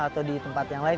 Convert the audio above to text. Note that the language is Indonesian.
atau di tempat yang lain